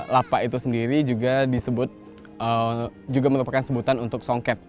lapak itu sendiri juga disebut juga merupakan sebutan untuk songket